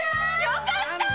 よかった！